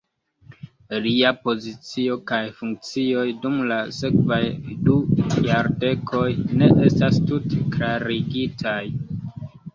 Lia pozicio kaj funkcioj dum la sekvaj du jardekoj ne estas tute klarigitaj.